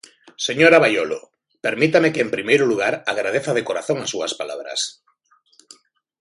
Señora Baiolo, permítame que en primeiro lugar agradeza de corazón as súas palabras.